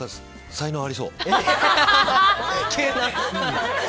才能ありそう？